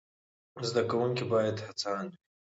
زده کوونکي باید هڅاند وي.